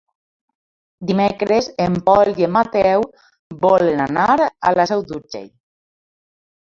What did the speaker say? Dimecres en Pol i en Mateu volen anar a la Seu d'Urgell.